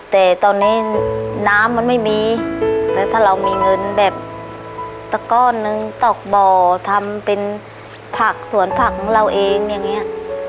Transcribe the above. แต่ตอนนี้น้ำมันไม่มีแต่ถ้าเรามีเงินแบบสักก้อนนึงตกบ่อทำเป็นผักสวนผักของเราเองอย่างนี้